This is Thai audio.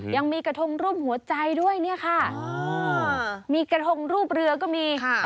ยังมีกระทงรูปหัวใจด้วยเนี่ยค่ะมีกระทงรูปเรือก็มี